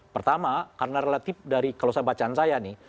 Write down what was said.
pertama karena relatif dari kalau saya bacaan saya nih